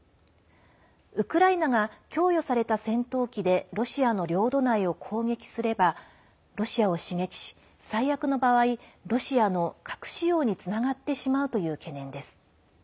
ウクライナが供与された戦闘機でロシアの領土内を攻撃すればロシアを刺激し、最悪の場合ロシアの核使用につながってしまうという懸念です。